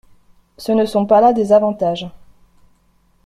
Ce ne sont pas là des avantages…